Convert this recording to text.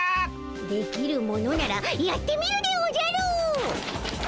できるものならやってみるでおじゃる！